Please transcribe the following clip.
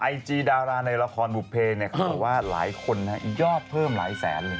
อายจีดาลาในละครบุภเฟะขอบ่าหลายคนยอดเพิ่มล้ายแสนเลย